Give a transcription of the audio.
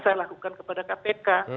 saya lakukan kepada kpk